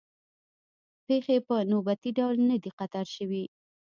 پېښې په نوبتي ډول نه دي قطار شوې.